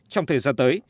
trong thời gian tới